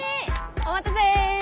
お待たせ。